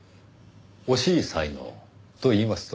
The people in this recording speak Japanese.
惜しい才能といいますと？